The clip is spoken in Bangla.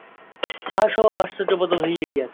তাহার স্বভাব আশ্চর্য বদল হইয়া গিয়াছে।